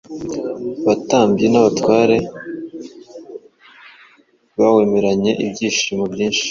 abatambyi n’abatware bawemeranye ibyishimo byinshi.